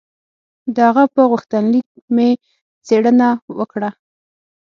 د هغه په غوښتنلیک مې څېړنه وکړه.